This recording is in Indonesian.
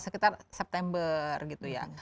sekitar september gitu ya